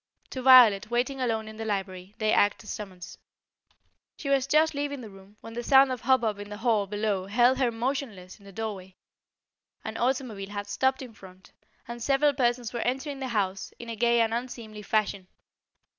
To Violet waiting alone in the library, they acted as a summons. She was just leaving the room, when the sound of hubbub in the hall below held her motionless in the doorway. An automobile had stopped in front, and several persons were entering the house, in a gay and unseemly fashion.